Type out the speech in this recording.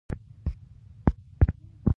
چې انقلاب دې منډې کار نه دى.